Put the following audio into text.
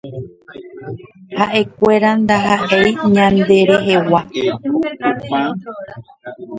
Haʼekuéra ndahaʼéi ñanderehegua.